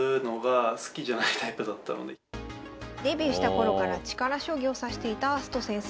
デビューした頃から力将棋を指していた明日斗先生。